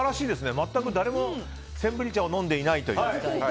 全く誰もセンブリ茶を飲んでいないという。